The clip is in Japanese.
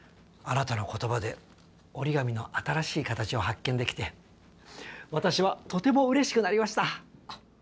あなたの言葉で折り紙の新しい形を発見できて私はとてもうれしくなりました。